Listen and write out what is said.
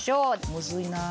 むずいなあ。